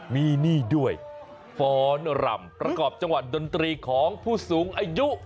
มีนี่ด้วยฟ้อนรำประกอบจังหวัดดนตรีของผู้สูงอายุ